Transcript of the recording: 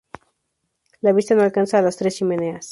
La vista no alcanza a las tres chimeneas.